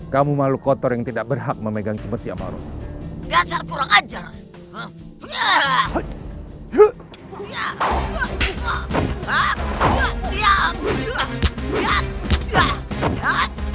kamu makhluk kotor yang tidak berhak memegang jemati amal rasul